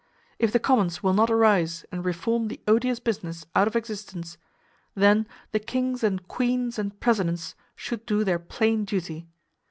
If the commons will not arise and reform the odious business out of existence, then the kings and queens and presidents should do their plain duty.